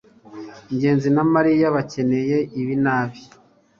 ngenzi na mariya bakeneye ibi nabi